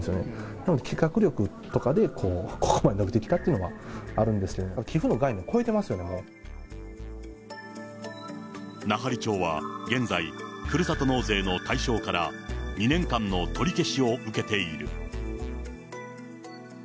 なので企画力とかでここまで伸びてきたというのはあるんですけども、寄付の概念、奈半利町は現在、ふるさと納税の対象から２年間の取り消しを受けている。